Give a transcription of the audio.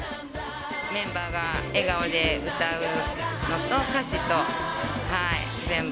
メンバーが笑顔で歌うのと、歌詞と、全部。